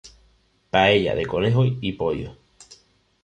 Paella de conejo y pollo.